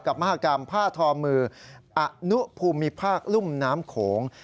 มหากรรมผ้าทอมืออนุภูมิภาครุ่มน้ำโขง